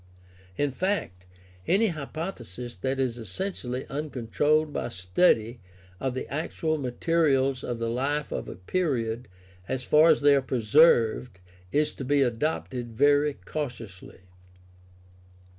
In fact, any hypothesis that is essentially un controlled by study of the actual materials of the life of a period as far as they are preserved is to be adopted very cautiously.